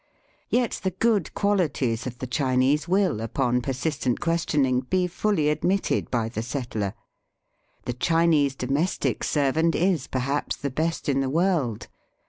Yet the good qualities of the Chinese will, upon persistent questioning, be fully admitted by the settler. The Chinese domestic servant is, perhaps, the best in the world.